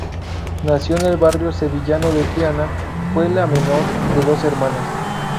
Nació en el barrio sevillano de Triana; fue la menor de dos hermanas.